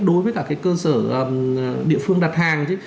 đối với cả cái cơ sở địa phương đặt hàng